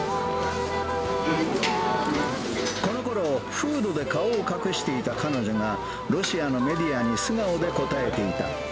このころ、フードで顔を隠していた彼女が、ロシアのメディアに素顔で答えていた。